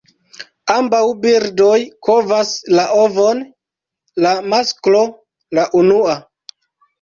Ambaŭ birdoj kovas la ovon; la masklo la unua.